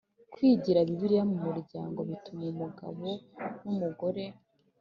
Kwigira Bibiliya mu muryango bituma umugabo n umugore